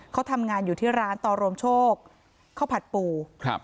เขาทำงานอยู่ที่ร้านต่อรวมโชคข้าวผัดปูครับ